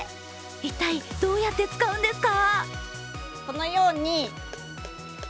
一体どうやって使うんですか？